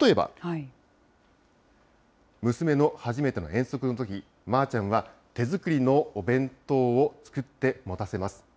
例えば、娘の初めての遠足のとき、まーちゃんは手作りのお弁当を作って持たせます。